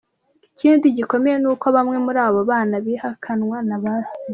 Ikindi gikomeye ni uko bamwe muri abo bana bihakanwa na ba se.